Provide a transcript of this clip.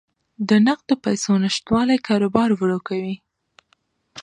د نقدو پیسو نشتوالی کاروبار ورو کوي.